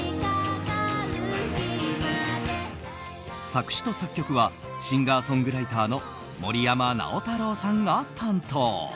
作詞と作曲はシンガーソングライターの森山直太朗さんが担当。